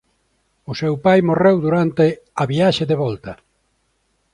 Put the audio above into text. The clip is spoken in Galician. O seu pai morreu durante a viaxe de volta.